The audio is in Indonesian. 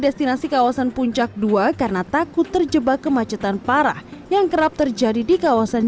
destinasi kawasan puncak dua karena takut terjebak kemacetan parah yang kerap terjadi di kawasan